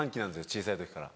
小さい時から。